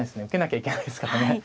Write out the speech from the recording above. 受けなきゃいけないですからね。